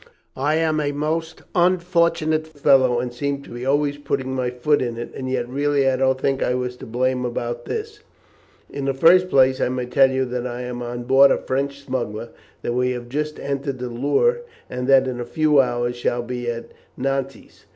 I am a most unfortunate fellow, and seem to be always putting my foot in it, and yet really I don't think I was to blame about this. In the first place, I may tell you that I am on board a French smuggler, that we have just entered the Loire, and that in a few hours shall be at Nantes.